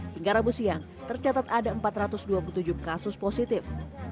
hingga rabu siang tercatat ada empat ratus dua puluh tujuh kasus positif